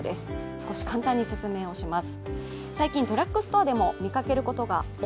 少し簡単に説明をします。